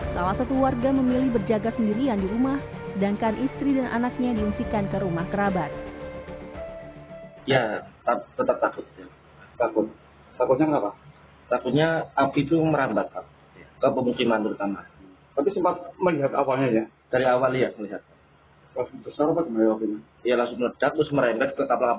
salah satu warga memilih berjaga sendirian di rumah sedangkan istri dan anaknya diungsikan ke rumah kerabat